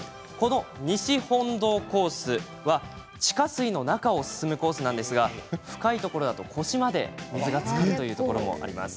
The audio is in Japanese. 西本洞コースは地下水の中を進むコースなんですが深いところだと腰まで水がつかるというところまであります。